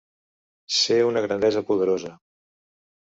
Ser una grandesa poderosa